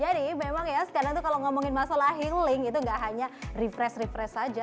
jadi memang ya sekarang itu kalau ngomongin masalah healing itu nggak hanya refresh refresh saja